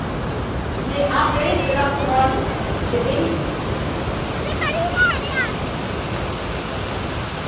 Il est abbé de la Couronne des bénédictins.